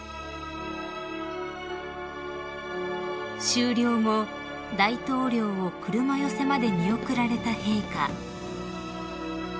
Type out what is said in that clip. ［終了後大統領を車寄せまで見送られた陛下］